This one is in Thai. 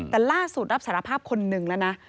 แต่ล่าสุดรับสารภาพคนหนึ่งแล้วนะ